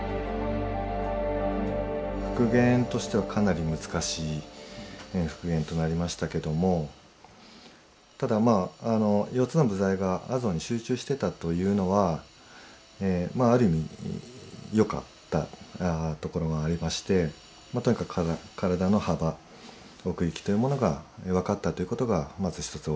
復元としてはかなり難しい復元となりましたけどもただまあというのはまあある意味よかったところがありましてとにかく体の幅奥行きというものが分かったということがまず一つ